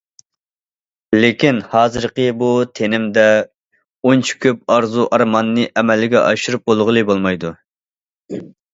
لېكىن ھازىرقى بۇ تېنىمدە ئۇنچە كۆپ ئارزۇ- ئارماننى ئەمەلگە ئاشۇرۇپ بولغىلى بولمايدۇ.